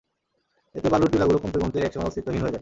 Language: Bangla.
এতে বালুর টিলাগুলো কমতে কমতে এক সময় অস্তিত্বহীন হয়ে যায়।